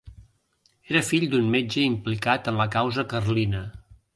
Era fill d'un metge implicat en la causa carlina.